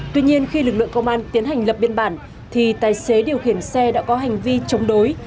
tuy nhiên khi lực lượng công an tiến hành lập biên bản thì tài xế điều khiển xe đã có hành vi chống đối